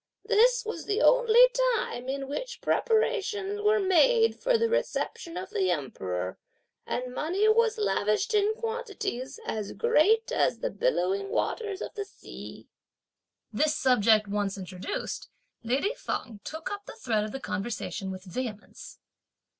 This was the only time in which preparations were made for the reception of the Emperor, and money was lavished in quantities as great as the billowing waters of the sea!" This subject once introduced, lady Feng took up the thread of the conversation with vehemence.